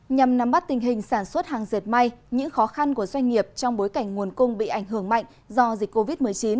nhằm nắm bắt tình hình sản xuất hàng dệt may những khó khăn của doanh nghiệp trong bối cảnh nguồn cung bị ảnh hưởng mạnh do dịch covid một mươi chín